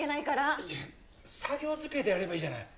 作業机でやればいいじゃない。